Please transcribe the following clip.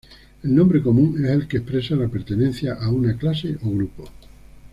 El nombre común es el que expresa la pertenencia a una clase o grupo.